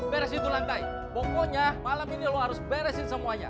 beres itu lantai pokoknya malam ini lo harus beresin semuanya